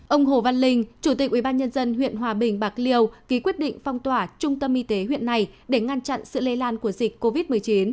ông hồ văn linh chủ tịch ubnd huyện hòa bình bạc liêu ký quyết định phong tỏa trung tâm y tế huyện này để ngăn chặn sự lây lan của dịch covid một mươi chín